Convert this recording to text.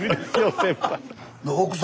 先輩。